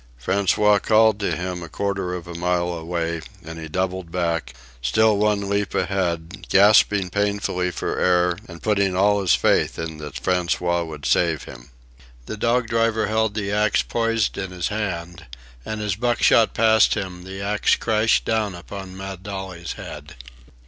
François called to him a quarter of a mile away and he doubled back, still one leap ahead, gasping painfully for air and putting all his faith in that François would save him. The dog driver held the axe poised in his hand, and as Buck shot past him the axe crashed down upon mad Dolly's head.